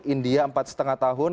india empat lima tahun